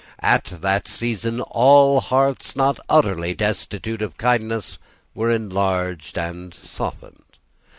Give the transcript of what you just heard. At that season all hearts not utterly destitute of kindness were enlarged and softened.